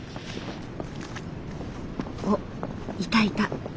おっいたいた。